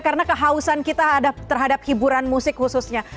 karena kehausan kita terhadap hiburan musik khususnya